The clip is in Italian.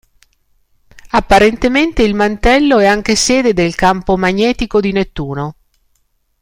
Apparentemente il mantello è anche sede del campo magnetico di Nettuno.